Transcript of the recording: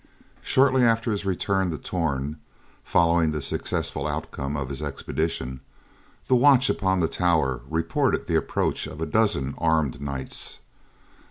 Shortly after his return to Torn, following the successful outcome of his expedition, the watch upon the tower reported the approach of a dozen armed knights.